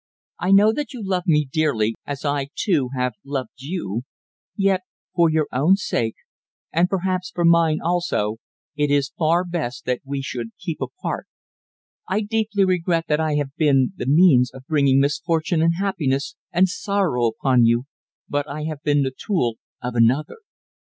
I know that you love me dearly, as I, too, have loved you; yet, for your own sake and perhaps for mine also it is far best that we should keep apart. "I deeply regret that I have been the means of bringing misfortune and unhappiness and sorrow upon you, but I have been the tool of another.